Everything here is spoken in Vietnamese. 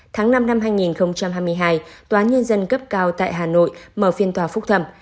tháng năm năm hai nghìn hai mươi hai tòa nhân dân cấp cao tại hà nội mở phiên tòa phúc thẩm